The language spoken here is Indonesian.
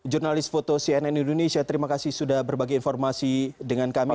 jurnalis foto cnn indonesia terima kasih sudah berbagi informasi dengan kami